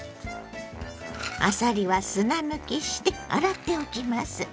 あさりは砂抜きして洗っておきます。